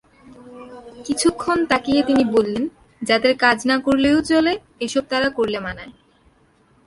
কিছুক্ষণ তাকিয়ে তিনি বললেন- 'যাদের কাজ না করলেও চলে এসব তারা করলে মানায়'।